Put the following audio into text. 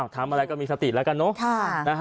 ทำอะไรก็มีสติแล้วกันเนอะ